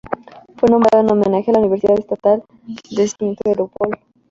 Fue nombrado en homenaje a la Universidad Estatal de Simferópol